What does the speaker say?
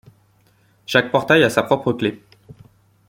Chaque portail a sa propre clé.